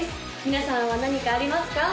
皆さんは何かありますか？